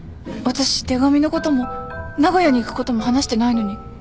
私手紙のことも名古屋に行くことも話してないのに。